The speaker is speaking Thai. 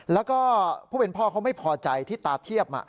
แล้วก็ผู้เป็นพ่อเขาไม่พอใจที่ตาเทียบ